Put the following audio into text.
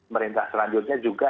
merintah selanjutnya juga